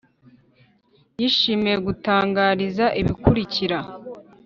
yishimiye gutangariza ibikurikira: